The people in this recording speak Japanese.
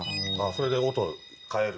それで音を変える？